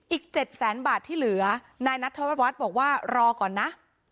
อีก๗แสนบาทที่เหลือนายนัทธววัฒน์บอกว่ารอก่อนนะ